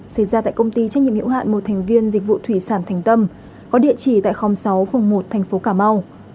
xảy ra tại công ty trách nhiệm hiệu hạn một thành viên dịch vụ thủy sản thành tâm có địa chỉ tại khóm sáu phường một thành phố cà mau